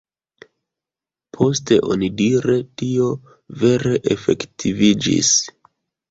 Poste onidire tio vere efektiviĝis.